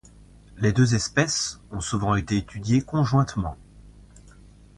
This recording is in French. Les deux espèces ont souvent été étudiées conjointement.